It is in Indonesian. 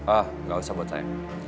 ah gak usah buat saya